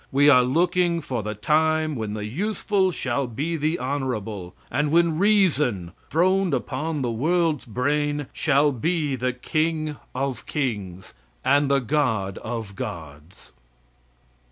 We are looking for the time when the useful shall be the honorable; and when REASON, throned upon the world's brain, shall be the King of Kings, and God of Gods.